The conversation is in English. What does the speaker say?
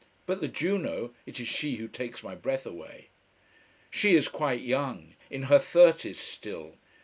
But the Juno it is she who takes my breath away. She is quite young, in her thirties still.